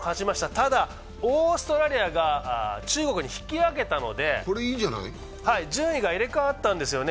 ただ、オーストラリアが中国に引き分けたので、順位が入れ代わったんですよね。